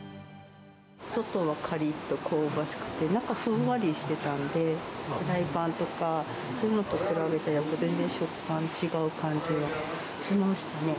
外はかりっと香ばしくて、中、ふんわりしてたんで、フライパンとか、そういうのと比べて全然食感違う感じがしましたね。